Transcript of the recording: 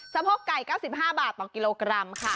สะพกไก่๙๕บาทต่อกิโลกรัม